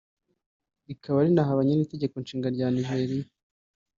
rikaba rinahabanye n’itegeko nshinga rya Nijeriya